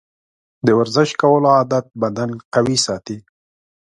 د ورزش کولو عادت بدن قوي ساتي.